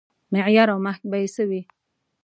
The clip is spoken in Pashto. معیار او محک به یې څه وي.